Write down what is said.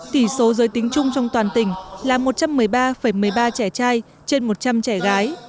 tỷ số giới tính chung trong toàn tỉnh là một trăm một mươi ba một mươi ba trẻ trai trên một trăm linh trẻ gái